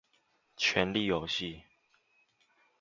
權力遊戲